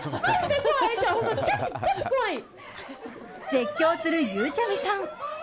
絶叫する、ゆうちゃみさん。